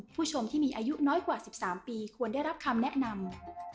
ผู้ชมที่มีอายุน้อยกว่า๑๓ปีควรได้รับคำแนะนำ